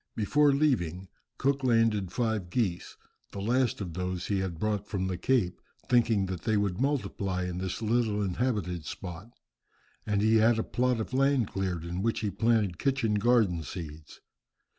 Before leaving Cook landed five geese, the last of those he had brought from the Cape, thinking that they would multiply in this little inhabited spot, and he had a plot of land cleared in which he planted kitchen garden seeds.